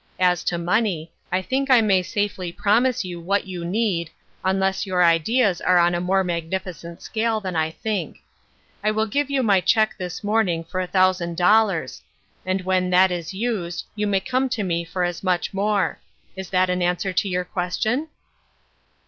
As to money, I think I may safely promise you what you need unless your ideas are on a more magnificent scale than I think. I will give you my check this morning for a thousand dollars, and when A Sister Needed, 811 that is used you may come to me for as much more. Is that an answer to your question